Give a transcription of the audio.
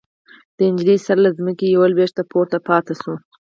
د نجلۍ سر له ځمکې يوه لوېشت پورته پاتې شو.